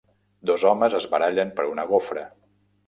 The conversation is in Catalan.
Dos homes es barallen per una gofra.